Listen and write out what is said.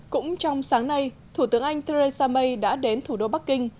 cũng trong sáng nay thủ tướng anh theresa may đã đến thủ đô bắc kinh